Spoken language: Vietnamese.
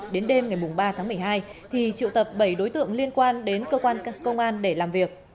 đến đêm ngày ba tháng một mươi hai thì triệu tập bảy đối tượng liên quan đến cơ quan công an để làm việc